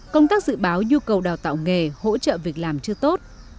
công tác dự báo nhu cầu đào tạo nghề hỗ trợ việc làm chưa tốt